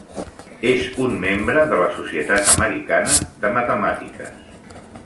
És un membre de la societat americana de matemàtiques.